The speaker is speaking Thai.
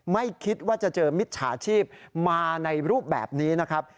ไม่คิดว่าจะเจอมิจฉาชีพมาในรูปแบบนี้นะครับ